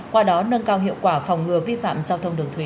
qua đó nâng cao hiệu quả phòng ngừa vi phạm giao thông đường thủy